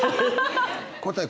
答え